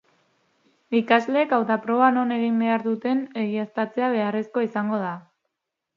Ikasleek hauta-proba non egin behar duten egiaztatzea beharrezkoa izango da.